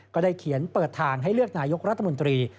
ก็ได้เขียนเปิดทางให้เลือกนายกรัฐมนตรี